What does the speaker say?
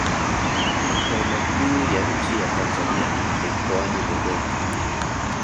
Makao makuu ya nchi ya Tanzania ni mkoani Dododma